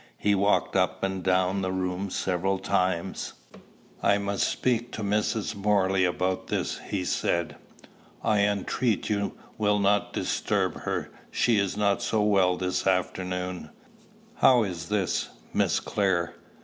He walked up and down the room several times. "I must speak to Mrs. Morley about this." he said. "I entreat you will not disturb her. She is not so well this afternoon." "How is this, Miss Clare?